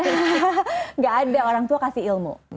tidak ada orang tua kasih ilmu